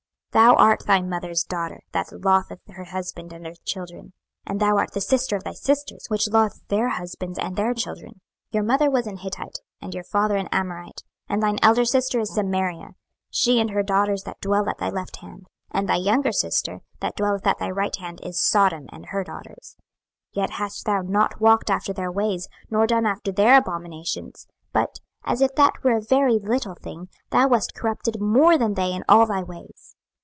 26:016:045 Thou art thy mother's daughter, that lotheth her husband and her children; and thou art the sister of thy sisters, which lothed their husbands and their children: your mother was an Hittite, and your father an Amorite. 26:016:046 And thine elder sister is Samaria, she and her daughters that dwell at thy left hand: and thy younger sister, that dwelleth at thy right hand, is Sodom and her daughters. 26:016:047 Yet hast thou not walked after their ways, nor done after their abominations: but, as if that were a very little thing, thou wast corrupted more than they in all thy ways.